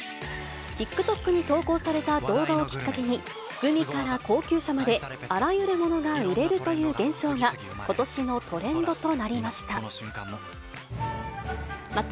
ＴｉｋＴｏｋに投稿された動画をきっかけに、グミから高級車まで、あらゆるものが売れるという現象が、ことしのトレンドとなりました。